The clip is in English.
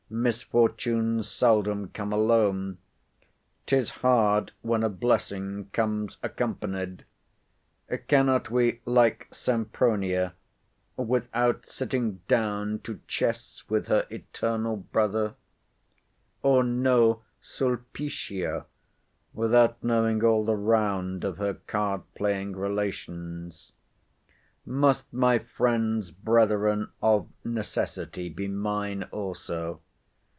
Misfortunes seldom come alone. 'Tis hard when a blessing comes accompanied. Cannot we like Sempronia, without sitting down to chess with her eternal brother? or know Sulpicia, without knowing all the round of her card playing relations? must my friend's brethren of necessity be mine also?